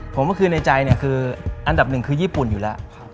ผมคือในใจอันดับหนึ่งคือญี่ปุ่นอยู่แล้ว